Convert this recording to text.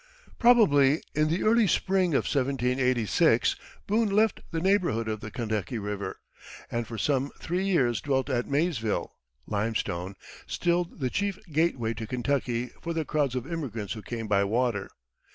Probably in the early spring of 1786 Boone left the neighborhood of the Kentucky River, and for some three years dwelt at Maysville (Limestone), still the chief gateway to Kentucky for the crowds of immigrants who came by water.